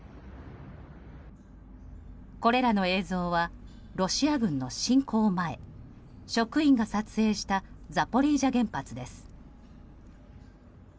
これらの映像はロシア軍の侵攻前職員が撮影したザポリージャ原発です。